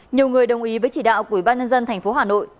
nhiều người đồng ý với chỉ đạo của ủy ban nhân dân tp hà nội